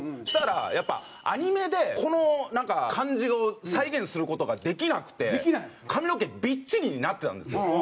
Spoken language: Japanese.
そしたらやっぱアニメでこの感じを再現する事ができなくて髪の毛びっちりになってたんですよ。